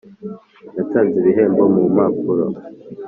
natanze ibihembo mu mpapuro